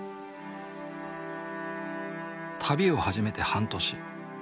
旅を始めて半年。